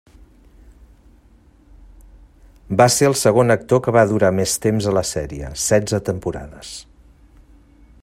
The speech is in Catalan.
Va ser el segon actor que va durar més temps a la sèrie, setze temporades.